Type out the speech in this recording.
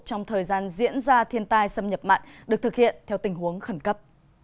trong thời gian diễn ra thiên tai xâm nhập mặn được thực hiện theo tình huống khẩn cấp